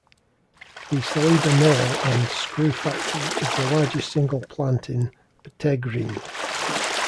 The Saliba Nail and Screw factory is the largest single plant in Bteghrine.